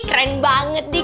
keren banget nih